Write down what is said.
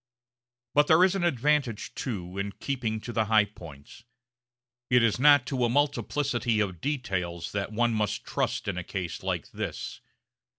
But there is an advantage, too, in keeping to the high points. It is not to a multiplicity of details that one must trust in a case like this.